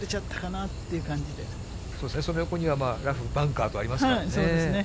そして、その横にはラフ、バンカーがありますからね。